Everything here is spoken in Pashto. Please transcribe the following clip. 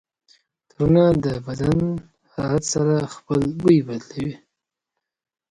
عطرونه د بدن حرارت سره خپل بوی بدلوي.